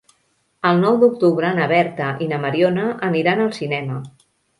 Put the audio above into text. El nou d'octubre na Berta i na Mariona aniran al cinema.